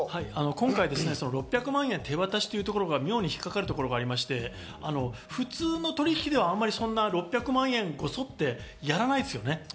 今回６００万円を手渡しというところが妙に引っ掛かるところがありまして、普通の取引ではあんまり、そんな６００万円ゴソって、やらないですよね。